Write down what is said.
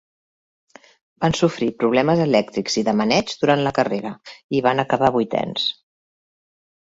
Van sofrir problemes elèctrics i de maneig durant la carrera i van acabar vuitens.